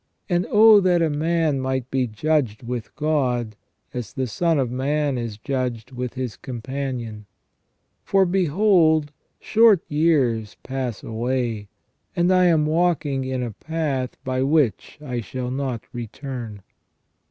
And O that a man might be judged with God, as the AS UNVEILED IN THE BOOK OF JOB. 163 son of man is judged with his companion. For behold short years pass away, and I am walking in a path by which I shall not return."